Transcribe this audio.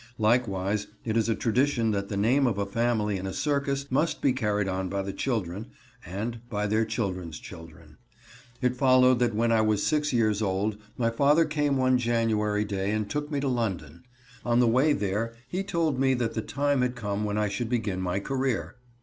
Likewise it is a tradition that the name of a family in a circus must be carried on by the children and by their children's children. It followed that when I was six years old my father came one January day and took me to London. On the way there he told me that the time had come when I should begin my career.